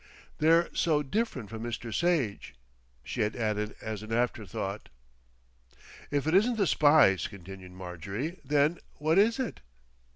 They're so different from Mr. Sage," she had added as an afterthought. "If it isn't the spies," continued Marjorie, "then what is it?"